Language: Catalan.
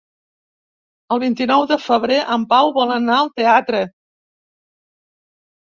El vint-i-nou de febrer en Pau vol anar al teatre.